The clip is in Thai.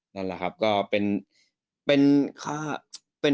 นั่นแหละครับก็เป็นค่าเป็น